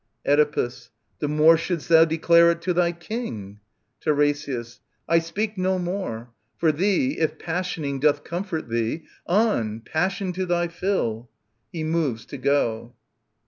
Oedipus. The more shouldst thou declare it to thy King. TiRESIAS. I speak no more. For thee, if passioning Doth comfort thee, on, passion to thy fill I [He moves to go.